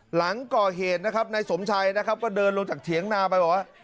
หลังก่อเหตุนะครับนายสมชัยนะครับก็เดินลงจากเถียงนาไปบอกว่า